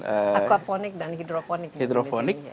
aquaponik dan hidroponik